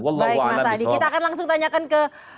wallahualam kita akan langsung tanyakan ke